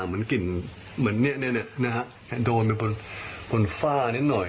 เหมือนกลิ่นเหมือนเนี้ยเนี้ยเนี้ยนะฮะโดนไปบนบนฝ้านิดหน่อย